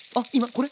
これ？